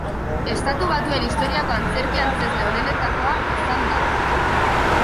Estatu Batuen historiako antzerki-antzezle onenetakoa izan da.